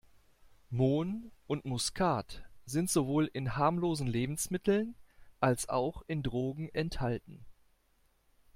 Mohn und Muskat sind sowohl in harmlosen Lebensmitteln, als auch in Drogen enthalten.